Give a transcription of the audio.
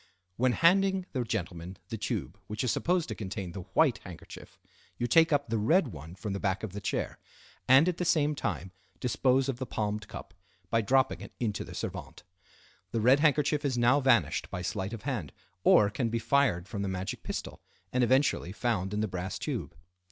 When handing the gentleman the tube which is supposed to contain the white handkerchief, you take up the red one from the back of the chair, and at the same time dispose of the palmed cup by dropping it into the servante. The red handkerchief is now vanished by sleight of hand, or can be fired from the magic pistol, and eventually found in the brass tube.